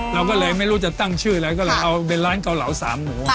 เราก็เลยไม่รู้จะตั้งชื่ออะไรก็เลยเอาเป็นร้านเกาเหลาสามหมู